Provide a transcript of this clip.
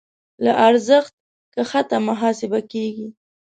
له ارزښت کښته محاسبه کېږي.